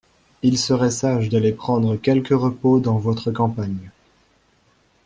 Il serait sage d'aller prendre quelque repos dans votre campagne.